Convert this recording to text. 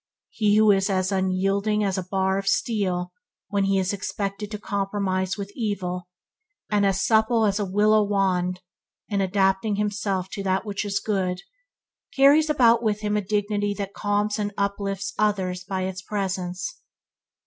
He who is as unyielding as a bar of steel when he is expected to compromise with evil, and as supple as a willow wand in adapting himself to that which is good, carries about with him a dignity that calms and uplifts others by its presence.